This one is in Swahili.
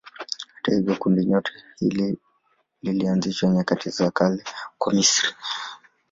Hata hivyo kundinyota hili lilianzishwa nyakati za kale huko Misri.